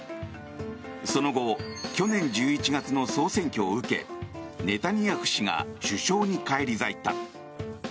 その後去年１１月の総選挙を受けネタニヤフ氏が首相に返り咲いた。